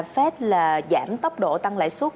fed là giảm tốc độ tăng lại suất